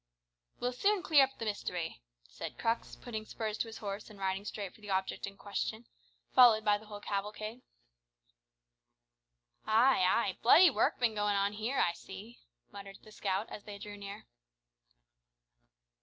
"We'll soon clear up the mystery," said Crux, putting spurs to his horse and riding straight for the object in question, followed by the whole cavalcade. "Ay, ay, bloody work bin goin' on here, I see," muttered the scout as they drew near.